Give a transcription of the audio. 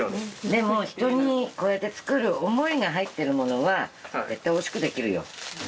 でも人にこうやって作る思いが入ってるものは絶対おいしくできるよ。